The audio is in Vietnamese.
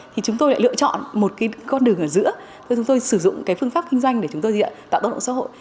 thì chúng tôi lại lựa chọn một cái con đường ở giữa thôi chúng tôi sử dụng cái phương pháp kinh doanh để chúng tôi tạo bất động xã hội